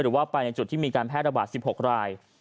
หรือว่าไปในจุดที่มีการแพร่ระบาด๑๖ราย